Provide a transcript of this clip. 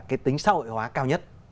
cái tính xã hội hóa cao nhất